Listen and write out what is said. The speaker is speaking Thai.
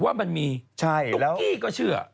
ว่ามันมีตุ๊กกี้ก็เชื่อ